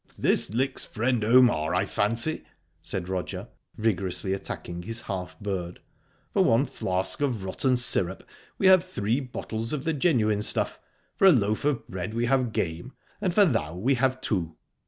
"This licks friend Omar, I fancy," said Roger, vigorously attacking his half bird. "For one flask of rotten syrup we have three bottles of the genuine stuff, for a loaf of bread we have game, and for 'thou' we have two.